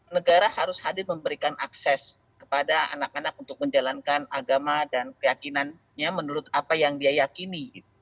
negara harus hadir memberikan akses kepada anak anak untuk menjalankan agama dan keyakinannya menurut apa yang dia yakini